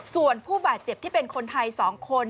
ส่วนผู้บาดเจ็บที่เป็นคนไทย๒คน